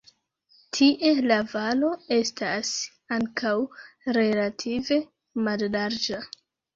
Tie la valo estas ankaŭ relative mallarĝa.